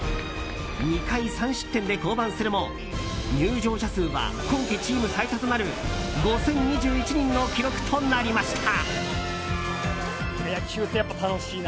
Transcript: ２回３失点で降板するも入場者数は今季チーム最多となる５０２１人の記録となりました。